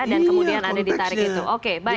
dan kemudian anda ditarik itu